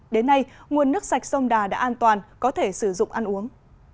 đến nay nguồn nước sạch sông đà đã an toàn có thể sử dụng ăn uống